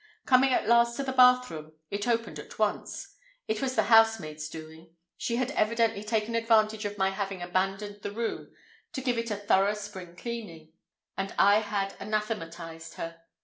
Coming at last to the bathroom, it opened at once. It was the housemaid's doing. She had evidently taken advantage of my having abandoned the room to give it "a thorough spring cleaning," and I anathematized her.